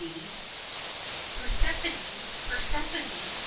Persephone! Persephone!